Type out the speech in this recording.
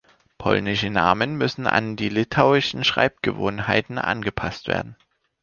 Polnische Namen müssen an die litauischen Schreibgewohnheiten angepasst werden.